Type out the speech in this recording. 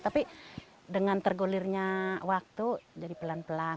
tapi dengan tergulirnya waktu jadi pelan pelan